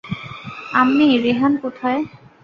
আম্মি, রেহান কোথায়?